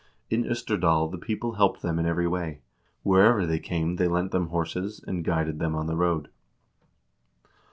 In 0sterdal the people helped them in every way; wherever they came they lent them horses, and guided them on the road.